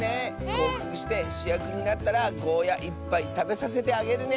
ごうかくしてしゅやくになったらゴーヤいっぱいたべさせてあげるね！